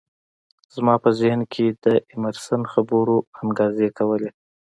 زما په ذهن کې د ایمرسن خبرو انګازې کولې